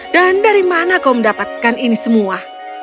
dan dari mana kau mendapatkan ini semua